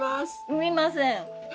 産みません。